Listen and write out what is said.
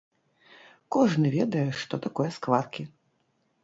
Кожны ведае, што такое скваркі.